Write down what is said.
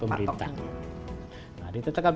pemerintah nah ditetapkan